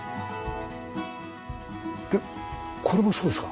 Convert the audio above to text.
これもそうですか？